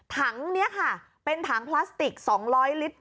ถังนี้ค่ะเป็นถังพลาสติก๒๐๐ลิตร